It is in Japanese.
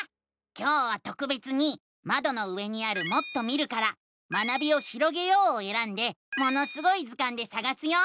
今日はとくべつにまどの上にある「もっと見る」から「学びをひろげよう」をえらんで「ものすごい図鑑」でさがすよ。